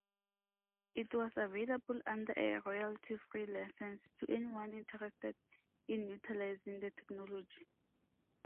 It was available under a royalty-free license to anyone interested in utilizing the technology.